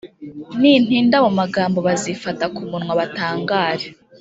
nintinda mu magambo, bazifata ku munwa batangare.